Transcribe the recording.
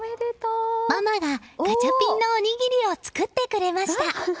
ママがガチャピンのおにぎりを作ってくれました。